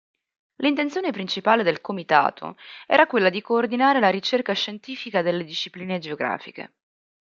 L'intenzione principale del Comitato era quella di coordinare la ricerca scientifica delle discipline geografiche.